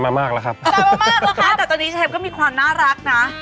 นะมามากแล้วครับแต่ตอนนี้เชฟก็มีความน่ารักนะ